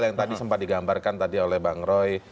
yang tadi sempat digambarkan tadi oleh bang roy